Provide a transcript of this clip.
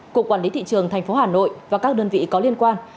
cục quản lý thị trường tp hà nội và các đơn vị có liên quan